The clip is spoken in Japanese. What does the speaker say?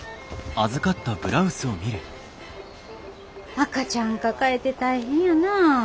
赤ちゃん抱えて大変やなあ。